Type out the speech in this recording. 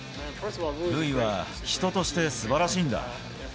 塁は人としてすばらしいんだ。